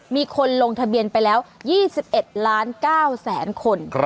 มีคนลงทะเบียนไปแล้ว๒๑ล้าน๙แสนคน